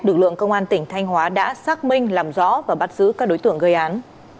lực lượng công an tỉnh thanh hóa đã xác minh làm rõ và bắt giữ các đối tượng gây án